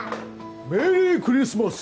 メリークリスマス！